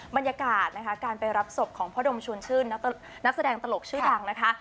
บรรยากาศนะคะการไปรับศพของพ่อดมชวนชื่นนักแสดงตลกชื่อดังนะคะ